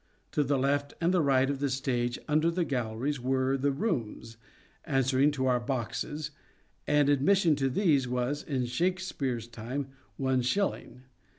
To the left and right of the stage under the galleries were the " rooms," answering to our boxes, and admission to these was, in Shakespeare's time, one* shilling.